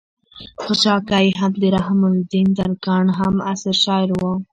خشاکے هم د رحم الدين ترکاڼ هم عصر شاعر وو